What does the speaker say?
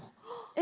え？